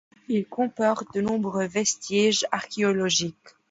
Il comporte de nombreux vestiges archéologiques.